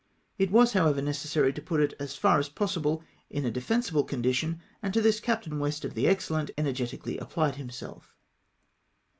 It was, however, necessary to put it, as far as possible, in a defensible condition, and to this Captain West, of the Excellent^ energetically apphed himself.